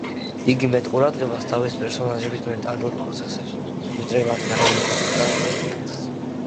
იგი მეტ ყურადღებას თავისი პერსონაჟების მენტალურ პროცესებს უთმობს, ვიდრე მათ გარეგნობასა და ხასიათს.